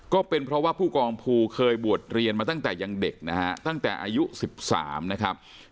ก็เป็นเพราะว่าผู้กองภูเคยบวชเรียนมาตั้งแต่ยังเด็กนะฮะตั้งแต่อายุ๑๓นะครับ